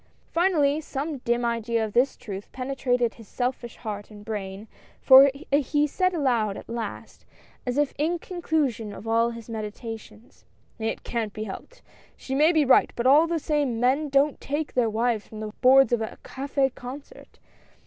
Finally, some dim idea of this truth penetrated his selfish heart and brain, for he said aloud at last, as if in conclusion of all his meditations ;" It can't be helped. She may be right, but all the same, men don't take their wives from the boards of a cafS concert